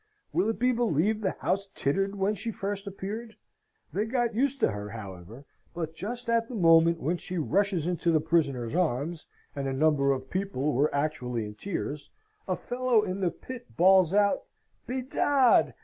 Will it be believed the house tittered when she first appeared? They got used to her, however, but just at the moment when she rushes into the prisoner's arms, and a number of people were actually in tears, a fellow in the pit bawls out, "Bedad!